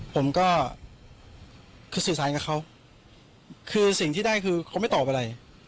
ผมก็คือสื่อสารกับเขาคือสิ่งที่ได้คือเขาไม่ตอบอะไร